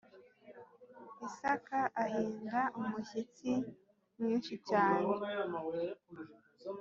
Isaka ahinda umushyitsi mwinshi cyane